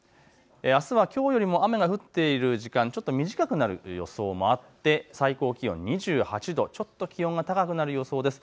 あすはきょうより雨が降っている時間、短くなる予想もあって最高気温２８度、ちょっと気温が高くなる予想です。